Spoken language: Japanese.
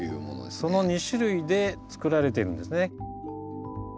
その２種類で作られているんですね。